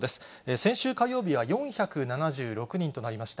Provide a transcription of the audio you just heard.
先週火曜日は４７６人となりました。